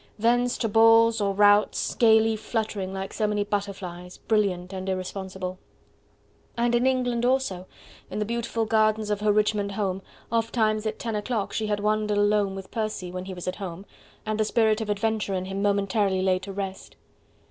Thence to balls or routs, gaily fluttering like so many butterflies, brilliant and irresponsible.... And in England also, in the beautiful gardens of her Richmond home, ofttimes at ten o'clock she had wandered alone with Percy, when he was at home, and the spirit of adventure in him momentarily laid to rest.